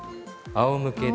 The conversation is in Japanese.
あおむけで。